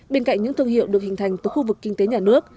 bên cạnh những thương hiệu được hình thành từ khu vực kinh tế nhà nước